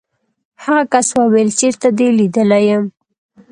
هغه کس وویل چېرته دې لیدلی یم.